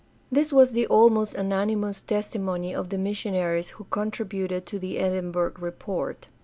This was the almost unanimous testimony of the missionaries who contributed to the Edinburgh Report.